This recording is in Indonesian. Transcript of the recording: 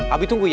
abi tunggu ya